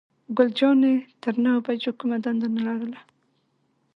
ګل جانې تر نهو بجو کومه دنده نه لرله.